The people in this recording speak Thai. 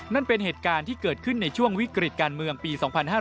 นั่นเป็นเหตุการณ์ที่เกิดขึ้นในช่วงวิกฤตการเมืองปี๒๕๕๙